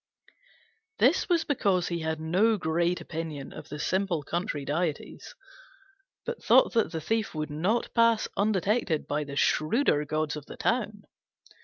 This was because he had no great opinion of the simple country deities, but thought that the thief would not pass undetected by the shrewder gods of the town.